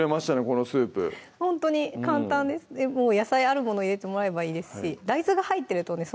このスープほんとに簡単です野菜あるもの入れてもらえばいいですし大豆が入ってるとね